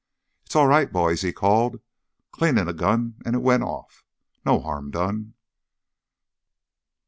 "It's all right, boys," he called. "Cleaning a gun and it went off. No harm done!"